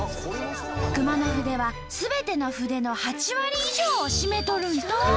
熊野筆はすべての筆の８割以上を占めとるんと！